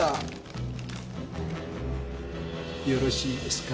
よろしいですか？